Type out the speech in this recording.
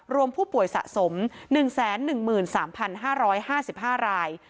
รวมผู้ป่วยสะสม๑๑๓๕๕ราย